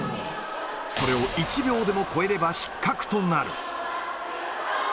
それを１秒でも超えれば失格となる。